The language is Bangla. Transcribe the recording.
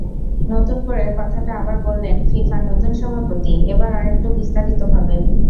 নতুন করে কথাটা আবার বললেন ফিফার নতুন সভাপতি, এবার আরেকটু বিস্তারিতভাবে।